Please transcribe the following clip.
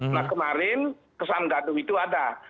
nah kemarin kesan gaduh itu ada